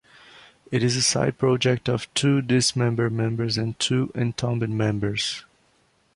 It is a side project of two Dismember members and two Entombed members.